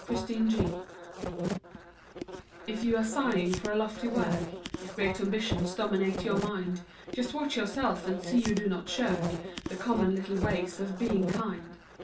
MISSION If you are sighing for a lofty work, If great ambitions dominate your mind, Just watch yourself and see you do not shirk The common little ways of being kind.